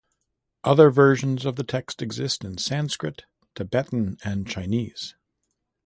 Other versions of the text exist in Sanskrit, Tibetan and Chinese.